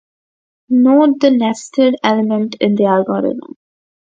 Note the nested element in the algorithm.